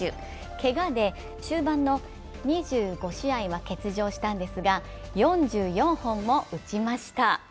けがで終盤の２５試合は欠場したんですが４４本も打ちました。